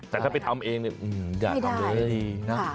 แต่ถ้าไปทำเองอยากทำเลย